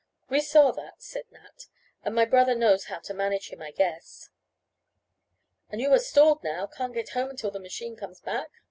"We saw that," said Nat, "and my brother knows how to manage him, I guess." "And you are stalled now, can't get home until the machine comes back?"